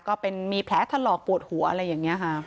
ก็เป็นมีแผลทะเลาะปวดหัวอะไรอย่างนี้ค่ะ